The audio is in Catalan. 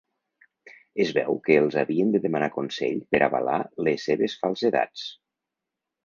Es veu que els havien de demanar consell per avalar les seves falsedats.